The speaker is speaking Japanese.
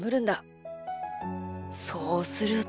そうすると。